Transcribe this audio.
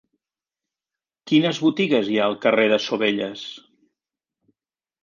Quines botigues hi ha al carrer de Sovelles?